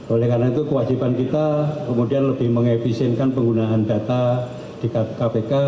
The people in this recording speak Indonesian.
oleh karena itu kewajiban kita kemudian lebih mengefisienkan penggunaan data di kpk